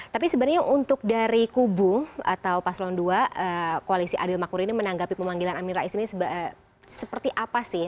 tapi sebenarnya untuk dari kubu atau paslon dua koalisi adil makmur ini menanggapi pemanggilan amin rais ini seperti apa sih